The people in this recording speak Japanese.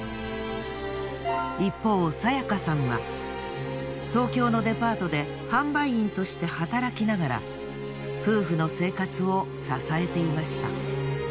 一方清香さんは東京のデパートで販売員として働きながら夫婦の生活を支えていました。